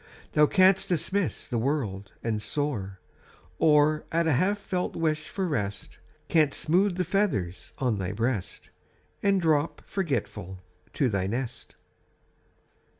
Thou canst dismiss the world and soar, Or, at a half felt wish for rest. Canst smooth the feathers on thy breast, And drop, forgetful, to thy nest.